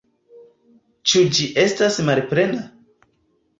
Ĉu ĝi estas malplena?